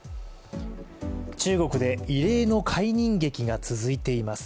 中国で異例の解任劇が続いています。